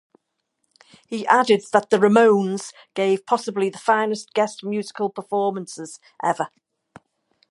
He added that the Ramones gave possibly the finest guest musical performances ever.